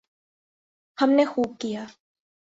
ہم نے خوب کیا۔